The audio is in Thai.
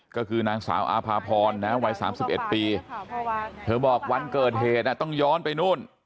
ก็คือนางสาวอาภาพรวัย๓๑ปีเธอบอกวันเกิดเหตุต้องย้อนไปนู่น